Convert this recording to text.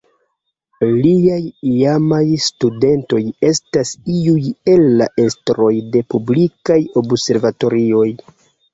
Liaj iamaj studentoj estas iuj el la estroj de publikaj observatorioj.